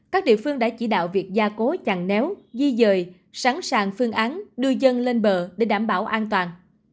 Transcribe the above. các địa phương đã chỉ đạo việc gia cố chẳng néo di dời sẵn sàng phương án đưa dân lên bờ để đảm bảo an toàn